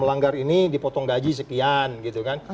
kalau dianggar ini dipotong gaji sekian gitu kan